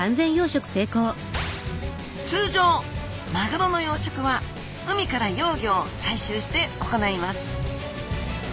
通常マグロの養殖は海から幼魚を採集して行います